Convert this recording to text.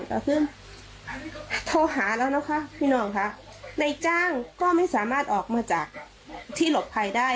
เอาขึ้นโทรหาแล้วนะคะพี่น้องค่ะในจ้างก็ไม่สามารถออกมาจากที่หลบภัยได้